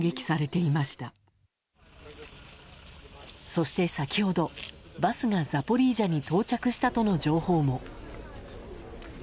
そして先ほどバスがザポリージャに到着したとの情報も。